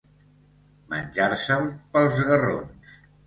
Menjar-se'l pels garrons.